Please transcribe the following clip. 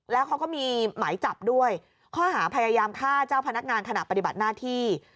แล้วเขาก็มีหมายจับด้วยข้อหาพยายามฆ่าเจ้าพนักงานขณะปฏิบัติหน้าที่